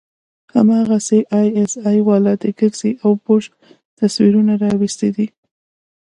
هماغسې آى اس آى والا د کرزي او بوش تصويرونه راوستي دي.